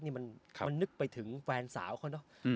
นี่มันครับมันนึกไปถึงแฟนสาวเขาเนอะอืม